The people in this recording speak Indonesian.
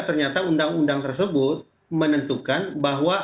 ternyata undang undang tersebut menentukan bahwa